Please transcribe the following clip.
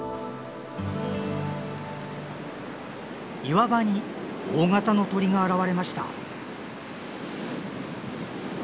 岩場に大型の鳥が現れました。